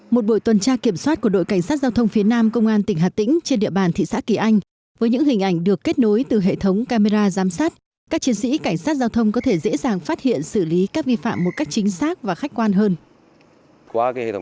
một buổi tuần tra kiểm soát của đội cảnh sát giao thông phía nam công an tỉnh hà tĩnh trên địa bàn thị xã kỳ anh với những hình ảnh được kết nối từ hệ thống camera giám sát các chiến sĩ cảnh sát giao thông có thể dễ dàng phát hiện xử lý các vi phạm một cách chính xác và khách quan hơn